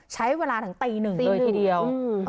ใช้เวลาถึงตีหนึ่งเลยทีเดียว